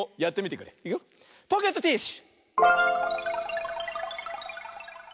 ポケットティッシュ！